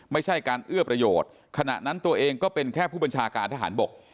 ไม่ใช่การเอื้อประโยชน์ขณะนั้นตัวเองก็เป็นแค่ผู้บัญชาการทหารบก